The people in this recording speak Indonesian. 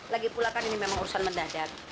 lagi pula kan ini memang urusan mendadak